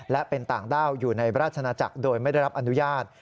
และเป็นต่างด้าวอยู่ในราชนาจักรโดยไม่ได้รับอนุญาต